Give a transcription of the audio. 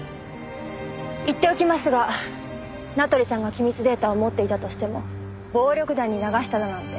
言っておきますが名取さんが機密データを持っていたとしても暴力団に流しただなんて